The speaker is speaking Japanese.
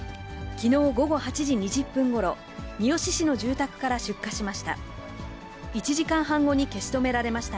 きのう午後８時２０分ごろ、三次市の住宅から出火しました。